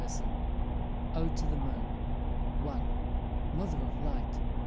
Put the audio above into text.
ODE TO THE MOON. I. Mother of light!